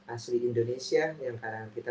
asli indonesia yang kadang kita